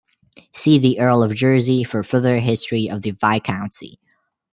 See the Earl of Jersey for further history of the viscountcy.